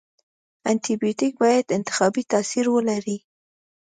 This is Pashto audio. انټي بیوټیک باید انتخابي تاثیر ولري.